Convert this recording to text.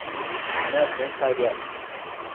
妹は天才である